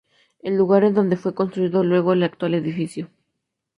En el lugar donde fue construido luego el actual edificio.